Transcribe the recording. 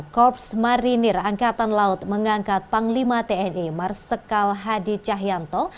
korps marinir angkatan laut mengangkat panglima tni marsikal hadi cahyanto